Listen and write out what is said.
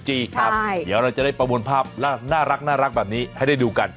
เดี๋ยวเราจะได้ประมวลภาพน่ารักแบบนี้ให้ได้ดูกัน